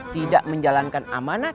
tidak menjalankan amanat